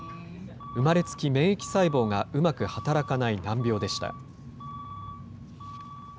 生まれつき免疫細胞がうまく働かない難病でした。